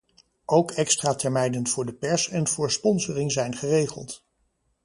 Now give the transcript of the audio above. Ook extra termijnen voor de pers en voor sponsoring zijn geregeld.